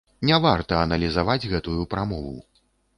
Не варта аналізаваць гэтую прамову.